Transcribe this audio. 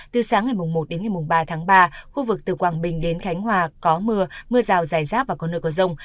từ sáng ngày một đến ngày ba tháng ba khu vực từ quảng bình đến khánh hòa có mưa mưa rào dài rác và có nơi có rông